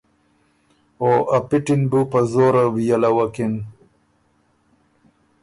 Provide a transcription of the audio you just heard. او ا پِټی ن بُو په زوره وئلوَکِن۔